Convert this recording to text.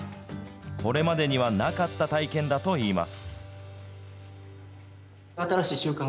これまでにはなかった体験だといいます。